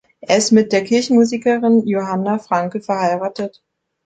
Er ist mit der Kirchenmusikerin Johanna Franke verheiratet.